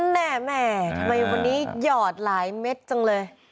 แม่ทำไมคนนี้หยอดหลายเม็ดจังเลย